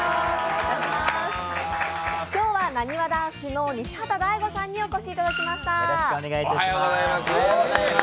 今日は、なにわ男子の西畑大吾さんにお越しいただきました。